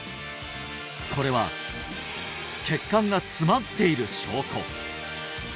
これは血管が詰まっている証拠